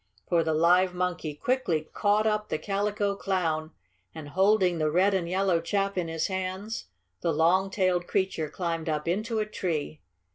For the live monkey quickly caught up the Calico Clown, and, holding the red and yellow chap in his hands, the long tailed creature climbed up into a tree.